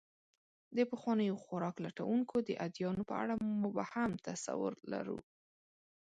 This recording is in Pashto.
د پخوانیو خوراک لټونکو د ادیانو په اړه مبهم تصور لرو.